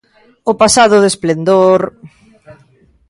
O pasado de esplendor...